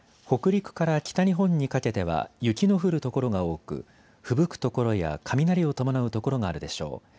北陸から北日本にかけては雪の降る所が多く、ふぶく所や雷を伴う所があるでしょう。